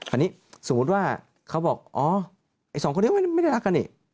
อันนี้สมมุติว่าเขาบอกอ๋อไอ้สองคนนี้ไม่ได้รักกันนี่